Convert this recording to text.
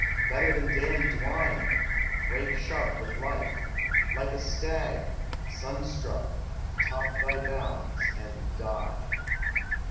Better than daily dwine, break sharp with life; Like a stag, sunstruck, top thy bounds and die.